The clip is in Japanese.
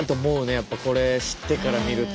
やっぱこれ知ってから見ると。